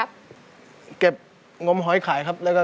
เพลงที่๑มูลค่า๑๐๐๐๐บาท